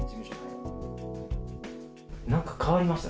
なんか変わりました？